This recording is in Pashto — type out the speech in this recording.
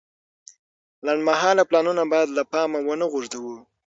لنډمهاله پلانونه باید له پامه ونه غورځوو.